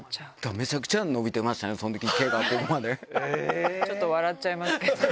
めちゃくちゃ伸びてましたね、ちょっと笑っちゃいますけど。